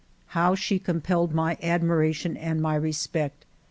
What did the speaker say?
How she compelled my admiration and my respect